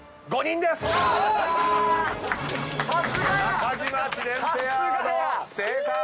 中島・知念ペアの正解！